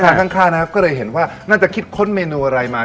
ข้างนะครับก็เลยเห็นว่าน่าจะคิดค้นเมนูอะไรมา